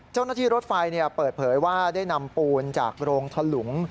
เจ้าหน้าที่รถไฟเปิดเผยว่าได้นำปูนจากโรงทะลุง